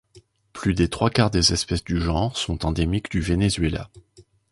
Plus des trois-quarts des espèces du genre sont endémiques du Venezuela.